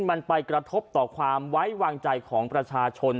มันไปกระทบต่อความไว้วางใจของประชาชน